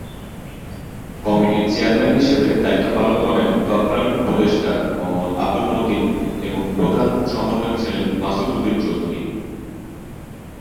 কমিটির চেয়ারম্যান হিসেবে দায়িত্ব পালন করেন তৎকালীন উপদেষ্টা মোহাম্মদ আবদুল মতিন এবং প্রধান সমন্বয়ক ছিলেন মাসুদ উদ্দিন চৌধুরী।